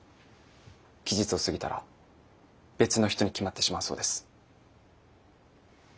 期日を過ぎたら別の人に決まってしまうそうです。